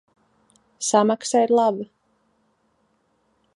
Samaksa ir laba.